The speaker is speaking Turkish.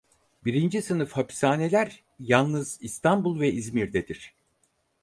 Birinci sınıf hapishaneler yalnız İstanbul ve İzmir'dedir.